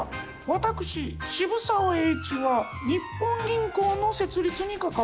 私渋沢栄一は日本銀行の設立に関わりました。